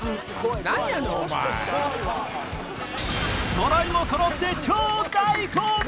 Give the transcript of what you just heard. そろいもそろって超大根！